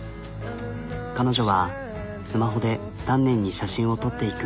彼女はスマホで丹念に写真を撮っていく。